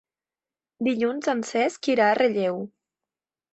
Dilluns en Cesc irà a Relleu.